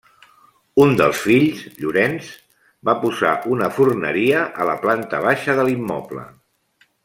Un dels fills, Llorenç, va posar una forneria a la planta baixa de l'immoble.